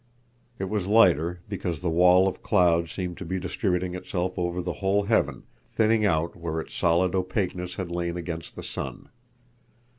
It was lighter because the wall of cloud seemed to be distributing itself over the whole heaven, thinning out where its solid opaqueness had lain against the sun.